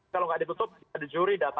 kalau tidak ditutup ada juri data